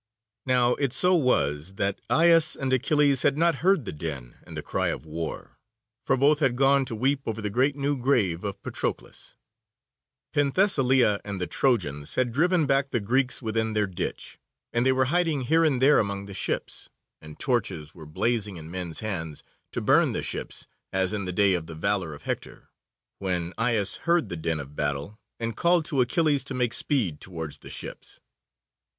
Now it so was that Aias and Achilles had not heard the din and the cry of war, for both had gone to weep over the great new grave of Patroclus. Penthesilea and the Trojans had driven back the Greeks within their ditch, and they were hiding here and there among the ships, and torches were blazing in men's hands to burn the ships, as in the day of the valour of Hector: when Aias heard the din of battle, and called to Achilles to make speed towards the ships.